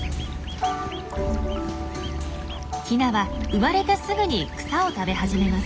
ヒナは生まれてすぐに草を食べ始めます。